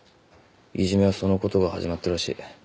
いじめはそのことが始まったらしい。